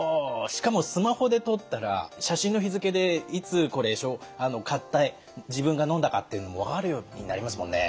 しかもスマホで撮ったら写真の日付でいつこれ買った自分がのんだかっていうのも分かるようになりますもんね。